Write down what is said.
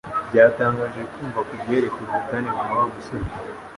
Byatangaje kumva kubyerekeye ubutane bwa Wa musore